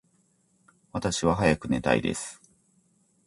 私は早く寝たいです。